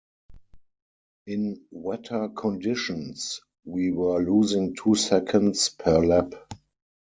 In wetter conditions, we were losing two seconds per lap.